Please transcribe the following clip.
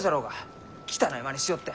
汚いマネしよって！